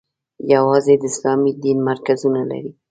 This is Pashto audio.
یوازې د اسلامي دین مرکزونه لري.